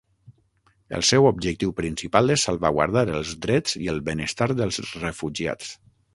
El seu objectiu principal és salvaguardar els drets i el benestar dels refugiats.